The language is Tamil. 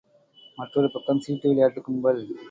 மற்றொரு பக்கம் சீட்டு விளையாட்டுக் கும்பல்.